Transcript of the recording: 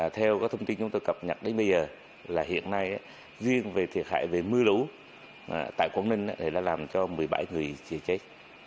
theo các thông tin chúng tôi cập nhật đến bây giờ là hiện nay riêng về thiệt hại về mưa lấu tại quảng ninh đã làm cho một mươi bảy người chết